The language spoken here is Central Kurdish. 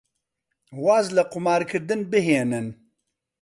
واز لە قومارکردن بهێنن.